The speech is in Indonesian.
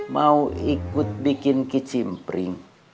mau ikut bikin kicimpring